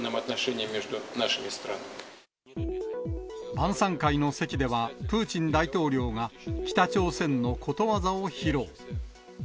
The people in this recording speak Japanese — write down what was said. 晩さん会の席では、プーチン大統領が、北朝鮮のことわざを披露。